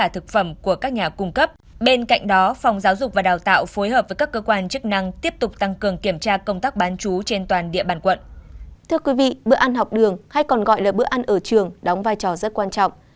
thưa bữa ăn học đường hay còn gọi là bữa ăn ở trường đóng vai trò rất quan trọng